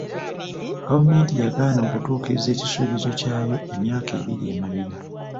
Gavumenti yagaana okutuukiriza ekisuubizo ky'ayo emyaka ebiri emabega.